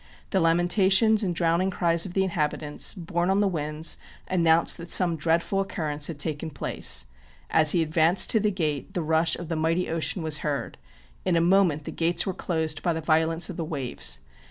The lamentations and drowning cries of the inhabitants, borne on the winds, announced that some dreadful occurrence had taken place; as he advanced to the gate the rush of the mighty ocean was heardŌĆö in a moment the gates were closed by the violence of the waves.